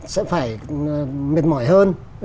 sẽ phải mệt mỏi hơn